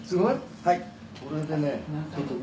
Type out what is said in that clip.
「はい。